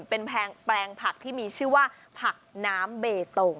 เป็นแปลงผักที่มีชื่อว่าผักน้ำเบตง